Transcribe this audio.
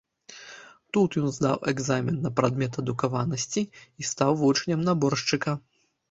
Тут ён здаў экзамен на прадмет адукаванасці і стаў вучнем наборшчыка.